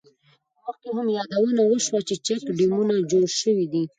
مخکې هم یادونه وشوه، چې چیک ډیمونه جوړ شوي دي.